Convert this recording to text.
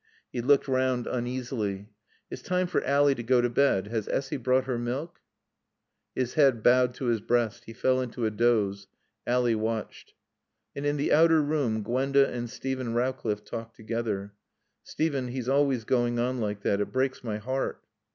He looked round uneasily. "It's time for Ally to go to bed. Has Essy brought her milk?" His head bowed to his breast. He fell into a doze. Ally watched. And in the outer room Gwenda and Steven Rowcliffe talked together. "Steven he's always going on like that. It breaks my heart."